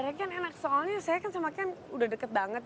direct ken enak soalnya saya kan sama ken udah deket banget